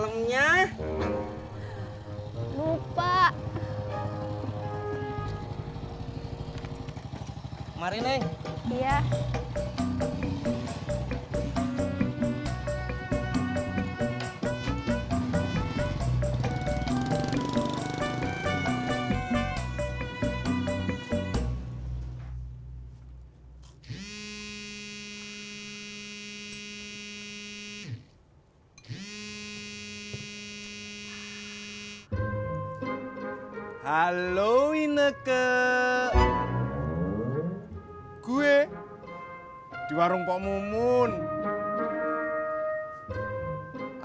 makasih ya kang cisna